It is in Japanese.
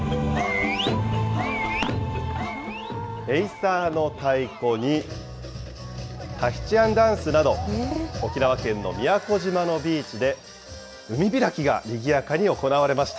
エイサーの太鼓にタヒチアンダンスなど、沖縄県の宮古島のビーチで、海開きがにぎやかに行われました。